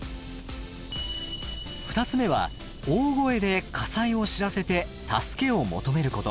２つ目は大声で火災を知らせて助けを求めること！